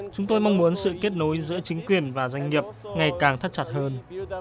chúng tôi mong muốn sự kết nối giữa chính quyền và doanh nghiệp ngày càng thắt chặt hơn